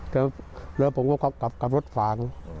แล้วผมก็กลับรถฝาง